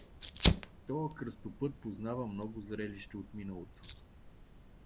Тоя кръстопът познава много зрелища от миналото.